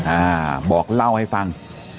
อ่าบอกเล่าให้ฟัง